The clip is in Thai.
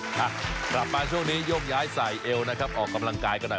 กลับมาช่วงนี้โยกย้ายใส่เอวนะครับออกกำลังกายกันหน่อย